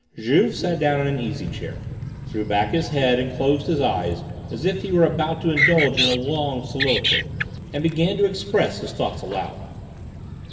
Juve sat down in an easy chair, threw back his head and closed his eyes as if he were about to indulge in a long soliloquy, and began to express his thoughts aloud.